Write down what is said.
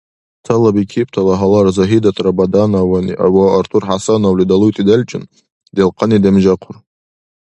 Цалабикибтала гьалар Загьидат Рабадановани ва Артур ХӀясановли далуйти делчӀун, делхъани демжахъур.